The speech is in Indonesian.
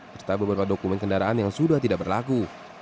serta beberapa dokumen kendaraan yang sudah tidak berlaku